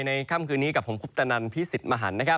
ค่ำคืนนี้กับผมคุปตนันพิสิทธิ์มหัน